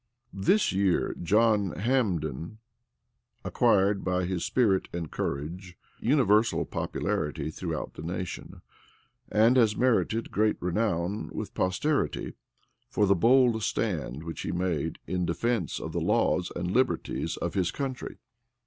This year, John Hambden acquired, by his spirit and courage, universal popularity throughout the nation, and has merited great renown with posterity, for the bold stand which he made in defence of the laws and liberties of his country.